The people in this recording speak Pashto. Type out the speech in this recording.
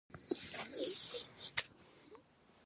فتح خان د شاه محمود له زوی کامران سره یو ځای شو.